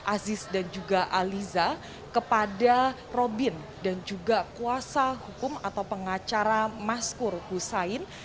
aziz dan juga aliza kepada robin dan juga kuasa hukum atau pengacara maskur hussain